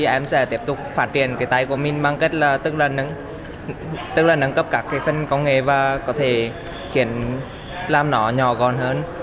em sẽ tiếp tục phát triển cái tay của mình bằng cách tức là nâng cấp các phần công nghệ và có thể khiến làm nó nhỏ gọn hơn